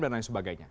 dan lain sebagainya